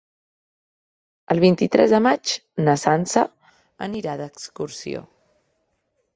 El vint-i-tres de maig na Sança anirà d'excursió.